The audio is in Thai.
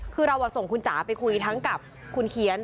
คือเราส่งคุณจ๋าไปคุยทั้งกับคุณเคี้ยน